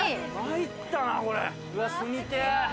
参ったな、これ。